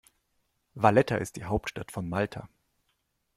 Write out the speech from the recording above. Valletta ist die Hauptstadt von Malta.